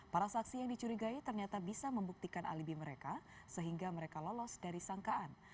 para saksi yang dicurigai ternyata bisa membuktikan alibi mereka sehingga mereka lolos dari sangkaan